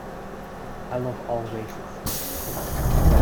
I love all races.